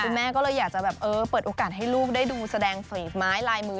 คุณแม่ก็เลยอยากเปิดโอกาสให้ลูกได้ดูแสดงสถิติไม้ลายมือ